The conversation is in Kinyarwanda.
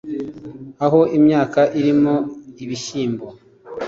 aho imyaka irimo ibishyimbo